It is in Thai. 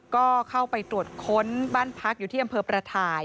ก็เข้าไปตรวจค้นบ้านพักอยู่ที่อำเภอประถ่าย